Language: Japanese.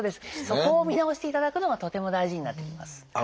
そこを見直していただくのがとても大事になってきます。